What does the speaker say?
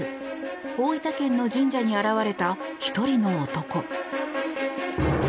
大分県の神社に現れた１人の男。